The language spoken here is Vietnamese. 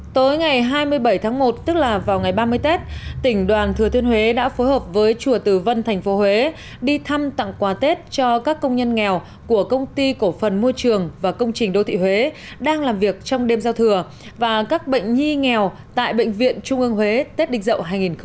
tối ngày hai mươi bảy tháng một tức là vào ngày ba mươi tết tỉnh đoàn thừa thiên huế đã phối hợp với chùa tử vân tp huế đi thăm tặng quà tết cho các công nhân nghèo của công ty cổ phần môi trường và công trình đô thị huế đang làm việc trong đêm giao thừa và các bệnh nhi nghèo tại bệnh viện trung ương huế tết địch dậu hai nghìn hai mươi